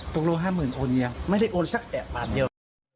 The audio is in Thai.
ตรงโลห้าหมื่นโอนเงียงไม่ได้โอนสักแบบบาทเดียว